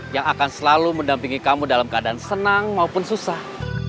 yang akan selalu mendampingi kamu dalam keadaan senang maupun susah